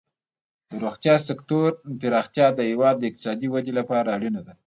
د روغتیا سکتور پراختیا د هیواد د اقتصادي ودې لپاره اړینه ده.